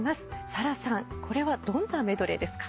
サラさんこれはどんなメドレーですか？